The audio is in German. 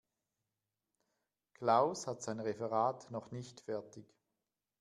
Klaus hat sein Referat noch nicht fertig.